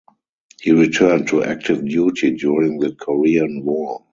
He returned to active duty during the Korean War.